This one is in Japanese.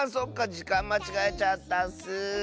じかんまちがえちゃったッス。